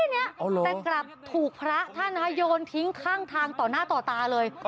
แต่กลับถูกพระท่านโยนทิ้งข้างทางต่อหน้าต่อตาเลย